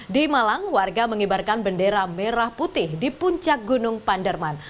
di malang warga mengibarkan bendera merah putih di puncak gunung panderman